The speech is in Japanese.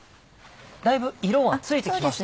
だいぶ色はついてきました。